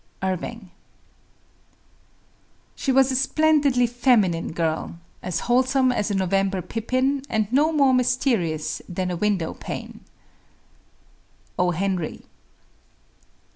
IRVING. She was a splendidly feminine girl, as wholesome as a November pippin, and no more mysterious than a window pane. O. HENRY.